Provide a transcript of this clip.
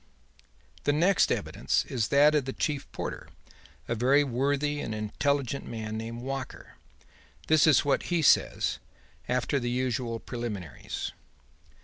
The next evidence is that of the chief porter, a very worthy and intelligent man named Walker. This is what he says, after the usual preliminaries.